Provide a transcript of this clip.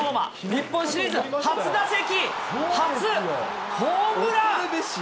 日本シリーズ初打席、初ホームラン。